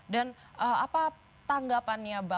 dan apa tanggapannya bapak jokowi